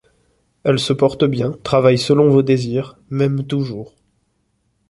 Elle se porte bien, travaille selon vos désirs, m’aime toujours.